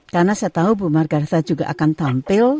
karena saya tahu bu margaretha juga akan tampil